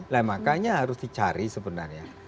nah makanya harus dicari sebenarnya